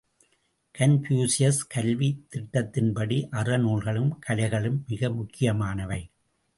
Confucius கல்வி திட்டத்தின்படி, அறநூல்களும் கலைகளும் மிக முக்கியமானவை.